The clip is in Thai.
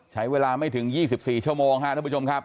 ใช้เวลาไม่ถึง๒๔ชั่วโมงครับท่านผู้ชมครับ